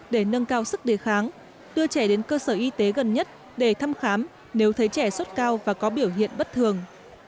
để nâng cao sức đề kháng đưa trẻ đến cơ sở y tế gần nhất để thăm khám nếu thấy trẻ sốt cao và có biểu hiện bất thường